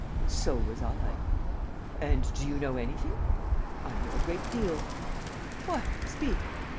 "So was I." "And do you know anything?" "I know a great deal." "What? Speak!"